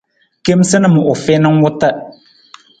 Kemasanam u fiin ng wuta.